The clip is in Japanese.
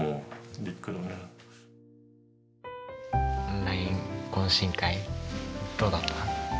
オンライン懇親会どうだった？